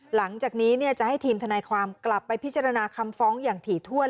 หลังจากนี้จะให้ทีมทนายความกลับไปพิจารณาคำฟ้องอย่างถี่ถ้วน